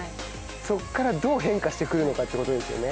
そこからどう変化してくるのかということですよね。